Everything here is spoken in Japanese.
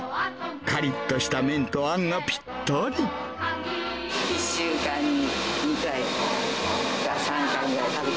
かりっとした麺とあんがぴったり。